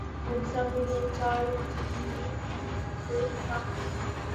مودی صاحب نے جو چال چلی ہے، ہم اسے لوٹا سکتے ہیں۔